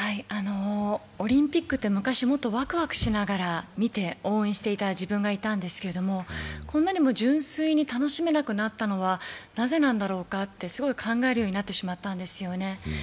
オリンピックって昔、もっとワクワクしながら見て、応援していた自分がいたんですけれども、こんなにも純粋に楽しめなくなったのは、なぜなんだろうかとすごく考えるようになってきたんですよね。